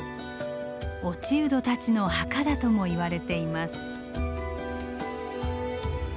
落人たちの墓だともいわれています。